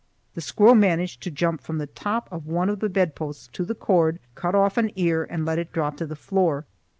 The squirrel managed to jump from the top of one of the bed posts to the cord, cut off an ear, and let it drop to the floor.